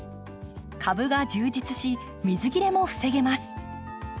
株が充実し水切れも防げます。